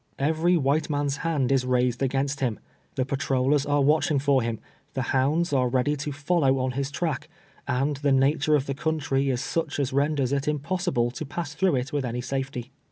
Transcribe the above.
Every wLite man's Land is raised against Lim — tlie patrollers are watcLing for Lim — tLe liounds arc ready to follow on Lis track, and tlie nature of tLe country is sucli as renders it impossible to pass tLrougL it witL any safety.